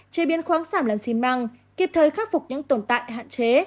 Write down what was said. chế biến khoáng sản làm xi măng kịp thời khắc phục những tồn tại hạn chế